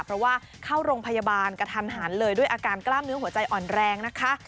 เพราะว่าเข้าโรงพยาบาลกระทันหันเลยด้วยอาการกล้ามเนื้อหัวใจอ่อนแรงนะคะ